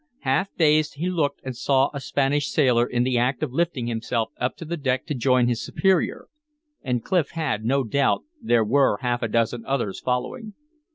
Half dazed he looked and saw a Spanish sailor in the act of lifting himself up to the deck to join his superior. And Clif had no doubt there were half a dozen others following.